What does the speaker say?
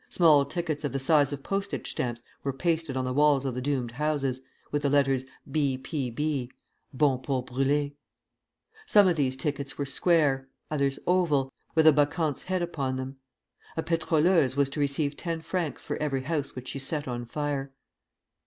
Small tickets of the size of postage stamps were pasted on the walls of the doomed houses, with the letters, B. P. B. (Bon Pour Brûler). Some of these tickets were square, others oval, with a Bacchante's head upon them. A pétroleuse was to receive ten francs for every house which she set on fire.